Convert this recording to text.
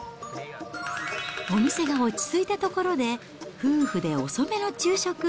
お店が落ち着いたところで、夫婦で遅めの昼食。